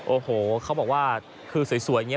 โอ้โหเขาบอกว่าคือสวยอย่างนี้